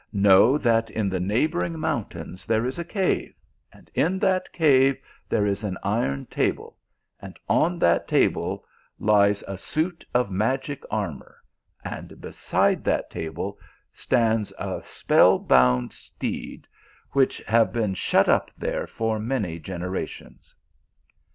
Know that in the neighbouring mountains there is a cave, and in that cave there is an iron table, and on that table lies a suit of magic armour and beside that table stands a spell bound steed, which have been shut up there for many genera tions."